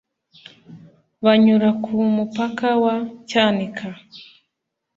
banyura ku mupaka wa Cyanika